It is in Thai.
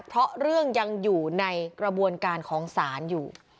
เพราะเรื่องยังอยู่ในกระบวนการของศาลอยู่